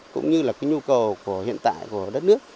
cũng như là nhu cầu hiện tại của đất nước